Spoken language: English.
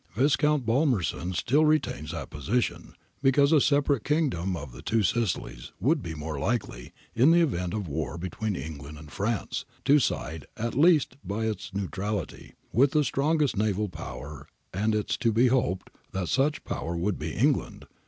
Viscount Palmerston still retains that opinion, because a separate Kingdom of the Two Sicilies would be more likely, in the event of war between England and France, to side, at least by its neutrality, with the strongest naval Power, and it is to be hoped that such Power would be England.